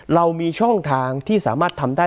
เรามีช่องทางที่สามารถทำได้